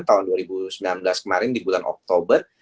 tahun dua ribu sembilan belas kemarin di bulan oktober